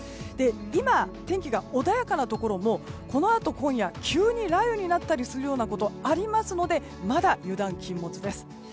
今、天気が穏やかなところもこのあと今夜急に雷雨になったりすることがあるのでまだ油断禁物です。